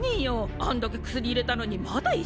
あんだけ薬入れたのにまだ意識あんの？